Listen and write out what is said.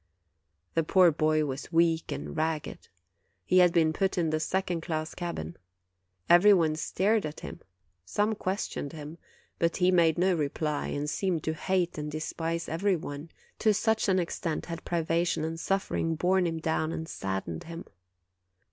The poor lad was weak and ragged. He had been put in the second class cabin. Every one stared at him; some questioned him, but he made no reply, and seemed to hate and despise every one, to such an extent had privation and suffering borne him down and saddened him.